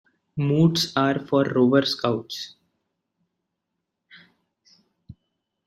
Moots are for Rover Scouts.